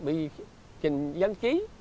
bởi vì trình dân trí